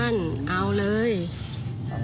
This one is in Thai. นี่เป็นคลิปวีดีโอจากคุณบอดี้บอยสว่างอร่อย